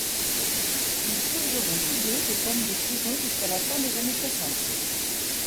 Ils purgeront tous deux des peines de prison jusqu'à la fin des années soixante.